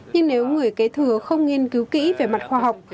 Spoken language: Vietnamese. nhưng nếu người kế thừa không nghiên cứu kỹ về mặt khoa học